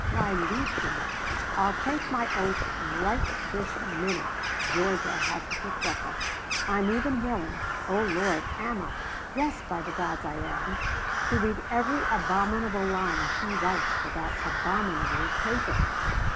Why, liebchen, I'll take my oath right this minute Georgia hasn't a freckle! I'm even willing (oh Lord, am I? Yes, by the gods I am) to read every abominable line she writes for that abominable paper.